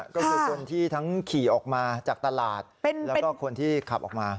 ก็คือคนที่ทั้งขี่ออกมาจากตลาดแล้วก็คนที่ขับออกมา